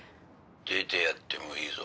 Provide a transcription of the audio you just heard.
出てやってもいいぞ。